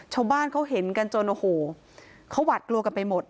ชาวบ้านเขาเห็นกันจนโอ้โหเขาหวาดกลัวกันไปหมด